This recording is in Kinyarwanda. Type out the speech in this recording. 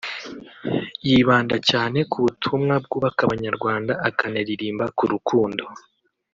yibanda cyane ku butumwa bwubaka abanyarwanda akanaririmba ku rukundo